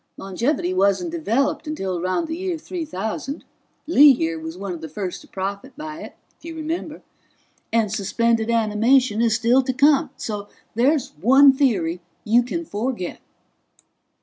Longevity wasn't developed until around the year 3000 Lee here was one of the first to profit by it, if you remember and suspended animation is still to come. So there's one theory you can forget."